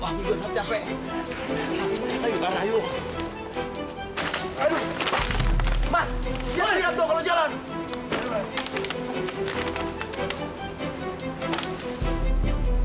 aku esteem aku jangan namanya status seorang seorang penghakehantu